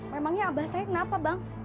memangnya abah saya kenapa bang